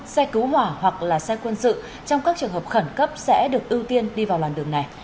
xe cứu hỏa hoặc là xe quân sự trong các trường hợp khẩn cấp sẽ được ưu tiên đi vào làn đường này